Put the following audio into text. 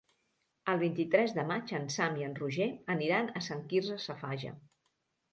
El vint-i-tres de maig en Sam i en Roger aniran a Sant Quirze Safaja.